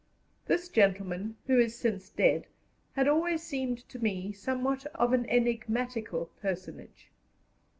This gentleman, who is since dead, had always seemed to me somewhat of an enigmatical personage.